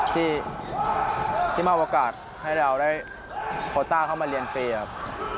ที่มอบโอกาสให้เราได้โคต้าเข้ามาเรียนฟรีครับ